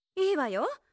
いいわよ。